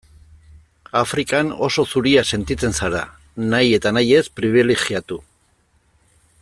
Afrikan oso zuria sentitzen zara, nahi eta nahi ez pribilegiatu.